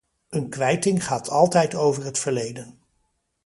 Een kwijting gaat altijd over het verleden.